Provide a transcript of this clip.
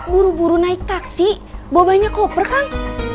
buru buru naik taksi bawa banyak koper kang